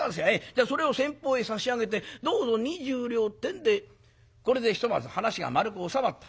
じゃあそれを先方へ差し上げてどうぞ二十両」ってんでこれでひとまず話が丸く収まった。